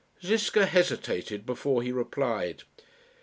Ziska hesitated before he replied.